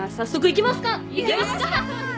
いきますか！